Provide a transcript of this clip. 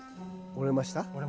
折れました。